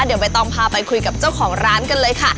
เดี๋ยวใบตองพาไปคุยกับเจ้าของร้านกันเลยค่ะ